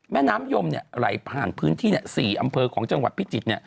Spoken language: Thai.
แม่น้ำยมไหลผ่านพื้นที่๔อำเภอของจังหวัดพิจิตร